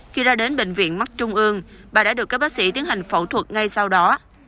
khi ra đến bệnh viện mắt trung ương bà đã được các bác sĩ tiến hành phẫu thuật ngay sau đó